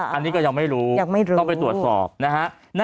อันนี้ก็ยังไม่รู้ต้องไปตรวจสอบนะฮะ